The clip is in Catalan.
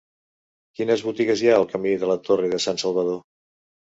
Quines botigues hi ha al camí de la Torre de Sansalvador?